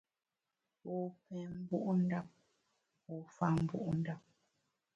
Wu pem mbu’ ndap, wu fa mbu’ ndap.